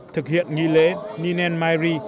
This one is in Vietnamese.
thực hiện nghi lễ ninemairi